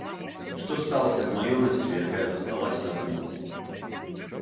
Што сталася з маёмасцю, якая засталася на тым баку?